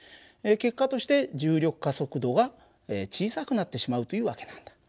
結果として重力加速度が小さくなってしまうという訳なんだ。